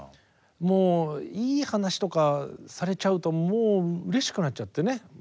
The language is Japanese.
もういい話とかされちゃうともううれしくなっちゃってね。